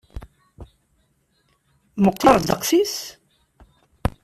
Meqqer ddeqs-is?